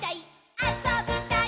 あそびたい！